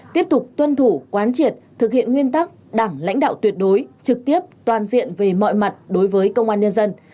tiếp tục tuân thủ quán triệt thực hiện nguyên tắc đảng lãnh đạo tuyệt đối trực tiếp toàn diện về mọi mặt đối với công an nhân dân